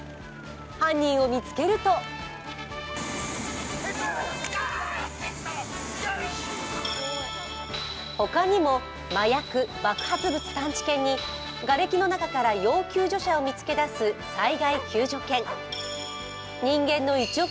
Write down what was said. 犯人を見つけるとほかにも麻薬、爆発物探知犬にがれきの中から要救助者を見つけ出す災害救助犬。